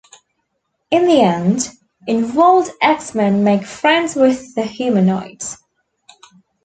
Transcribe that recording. In the end, involved X-Men make friends with the humanoids.